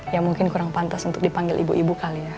ya mungkin kurang pantas untuk dipanggil ibu ibu kali ya